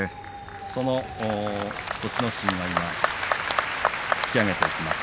その栃ノ心引き揚げていきます。